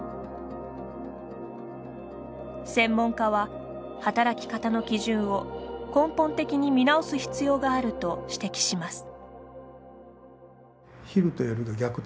専門家は、働き方の基準を根本的に見直す必要があると指摘します。